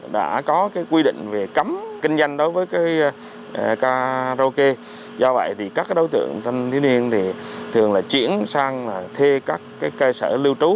đã có quy định về cấm kinh doanh đối với karaoke do vậy các đối tượng thanh niên thường chuyển sang thê các cơ sở lưu trú